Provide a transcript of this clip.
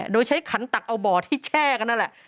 โดยใช้ขันตักเอาบ่อที่แช่กันนั่นแหละ